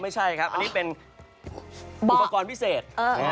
ไม่ใช่ครับอันนี้เป็นอุปกรณ์พิเศษ